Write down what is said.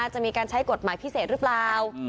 จะมีการใช้กฎหมายพิเศษหรือเปล่า